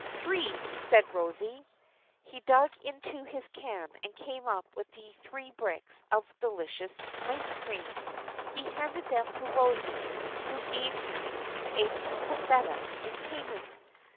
"Three," said Rosie. He dug into his can and came up with three bricks of deli cious mice cream. He handed them to Rosie, who gave him a pusseta in payment.